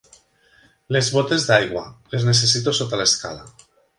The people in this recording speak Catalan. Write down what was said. Les botes d'aigua, les necessito sota l'escala.